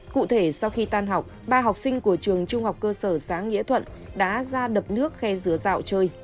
cụ thể sau khi tan học ba học sinh của trường trung học cơ sở giá nghĩa thuận đã ra đập nước khe dứa dạo chơi